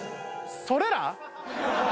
「それら」？